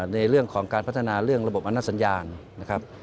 ในเรื่องของการพัฒนาเรื่องระบบอนาสัญญาณนะครับ